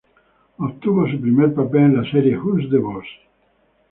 Obtuvo su primer papel en la serie "Who's the Boss?